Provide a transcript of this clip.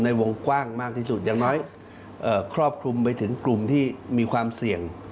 วงกว้างมากที่สุดอย่างน้อยครอบคลุมไปถึงกลุ่มที่มีความเสี่ยง